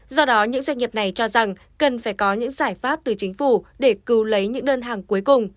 do đó những doanh nghiệp này cho rằng cần phải có những giải pháp từ chính phủ để cứu lấy những đơn hàng cuối cùng